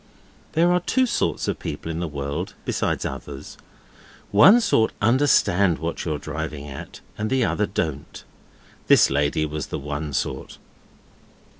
There are two sorts of people in the world, besides others; one sort understand what you're driving at, and the other don't. This lady was the one sort.